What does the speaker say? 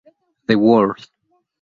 The World".